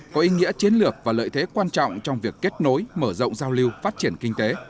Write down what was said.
có ý nghĩa chiến lược và lợi thế quan trọng trong việc kết nối mở rộng giao lưu phát triển kinh tế